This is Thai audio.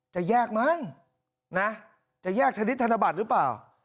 จะแยกมั้งนะจะแยกชนิดธนบัตรหรือเปล่า